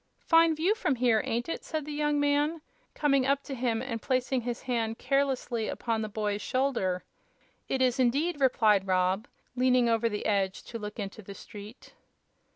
"Fine view from here, ain't it?" said the young man, coming up to him and placing his hand carelessly upon the boy's shoulder. "It is, indeed," replied Rob, leaning over the edge to look into the street.